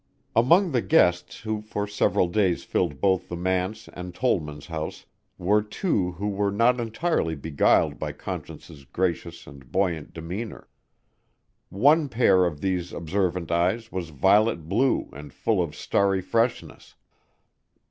Among the guests who for several days filled both the manse and Tollman's house, were two who were not entirely beguiled by Conscience's gracious and buoyant demeanor. One pair of these observant eyes was violet blue and full of starry freshness.